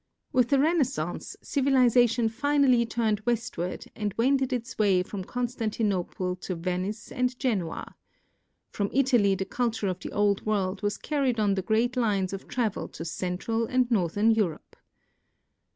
With the Renaissance, civilization finally turned westward and wended its way from Constanti nople to Venice and Genoa. From Italy the culture of the Old World was carried on the great lines of travel to central and northern Europe.